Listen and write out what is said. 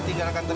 biar dulu ya pak